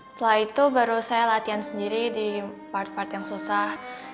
setelah itu baru saya latihan sendiri di part part yang susah